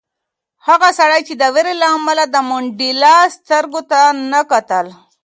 هغه سړي د وېرې له امله د منډېلا سترګو ته نه کتل.